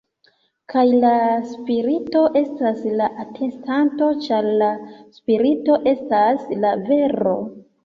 Kaj la Spirito estas la atestanto, ĉar la Spirito estas la vero.